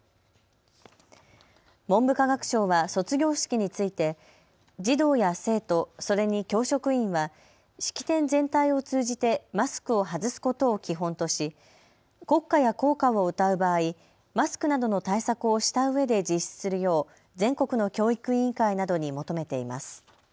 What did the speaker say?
文部科学省は卒業式について児童や生徒、それに教職員は式典全体を通じてマスクを外すことを基本とし国歌や校歌を歌う場合、マスクなどの対策をしたうえで実施するよう、全国の教育委員会などに求めています。